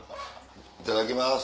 いただきます。